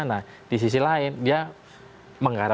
nah di sisi lain dia menggarap